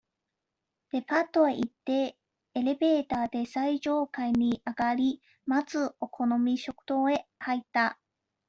デパートへ行って、エレベーターで最上階にあがり、まず、お好み食堂へ入った。